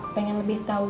pengen lebih tau